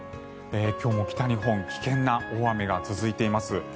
今日も北日本、危険な大雨が続いています。